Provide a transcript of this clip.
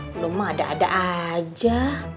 belum ada ada aja